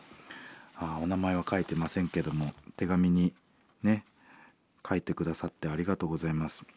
お名前は書いてませんけども手紙に書いて下さってありがとうございます。